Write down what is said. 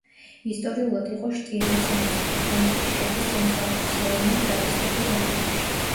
ისტორიულად იყო შტირიის ნაწილი, დღეისთვის შედის ცენტრალური სლოვენიის სტატისტიკურ რეგიონში.